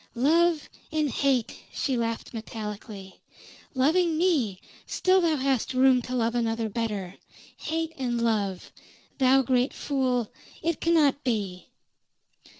"Love and hate!" she laughed metallically. "Loving me, still thou hast room to love another better. Hate and love! Thou great fool, it cannot be!"